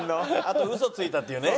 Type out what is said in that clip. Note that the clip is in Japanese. あと嘘ついたっていうね。